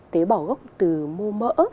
tế bào gốc từ mua mỡ